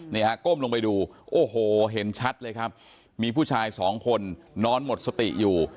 นี่ฮะก้มลงไปดูโอ้โหเห็นชัดเลยครับมีผู้ชายสองคนนอนหมดสติอยู่